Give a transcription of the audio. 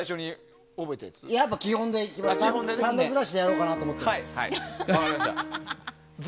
３度ずらしでやろうと思ってます。